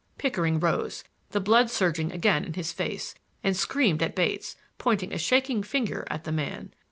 Pickering rose, the blood surging again in his face, and screamed at Bates, pointing a shaking finger at the man.